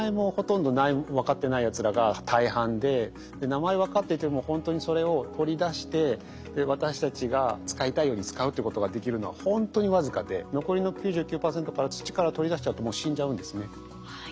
名前分かっていてもほんとにそれを取り出して私たちが使いたいように使うってことができるのはほんとに僅かで残りの９９％から土から取り出しちゃうともう死んじゃうんですね。